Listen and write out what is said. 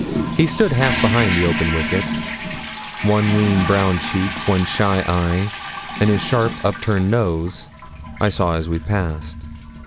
He stood half behind the open wicket. One lean brown cheek, one shy eye, and his sharp up turned nose, I saw as we passed.